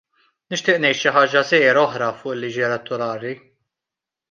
Nixtieq ngħid xi ħaġa żgħira oħra fuq il-liġi elettorali.